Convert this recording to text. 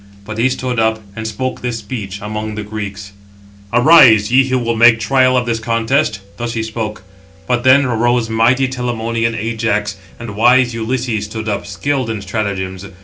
But he stood up, and spoke this speech among the Greeks: "Arise, ye who will make trial of this contest." Thus he spoke; but then arose mighty Telamonian Ajax, and wise Ulysses stood up, skilled in stratagems.